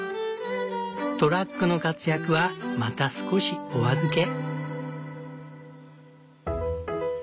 トラックの活躍はまた少しお預け。